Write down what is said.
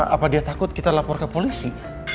apa dia takut kita lapor ke polisi